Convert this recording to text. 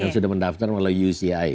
yang sudah mendaftar melalui uci